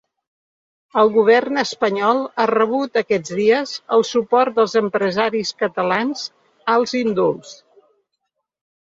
El govern espanyol ha rebut aquests dies el suport dels empresaris catalans als indults.